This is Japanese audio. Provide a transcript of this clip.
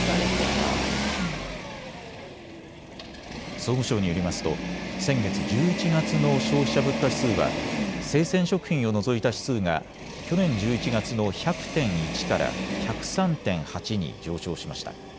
総務省によりますと先月１１月の消費者物価指数は生鮮食品を除いた指数が去年１１月の１００．１から１０３．８に上昇しました。